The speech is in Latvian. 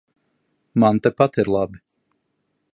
Man tepat ir labi.